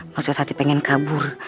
maksud hati pengen kabur